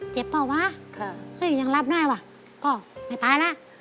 เปล่าวะซึ่งยังรับได้ว่ะก็ไม่ไปแล้ว